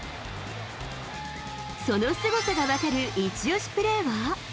そのすごさが分かる一押しプレーは。